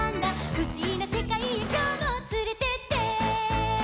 「ふしぎなせかいへきょうもつれてって！」